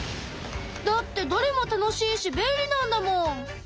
だってどれも楽しいし便利なんだもん。